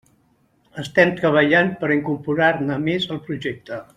Estem treballant per incorporar-ne més al projecte.